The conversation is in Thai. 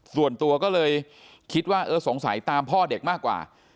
ส่วนตัวก็เลยคิดว่าเออสงสัยตามพ่อเด็กมากกว่า